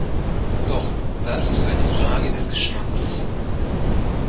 Doch das ist eine Frage des Geschmacks.